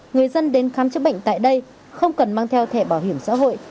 người dân đến khám chữa bệnh tại đây không cần mang theo thẻ bảo hiểm xã hội